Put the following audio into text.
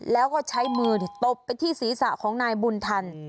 แล้วก็ใช้มือตบไปที่ศีรษะของนายบุญทัน